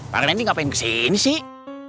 mereka ngapain kesini sih